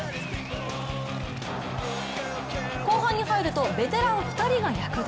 後半に入るとベテラン２人が躍動！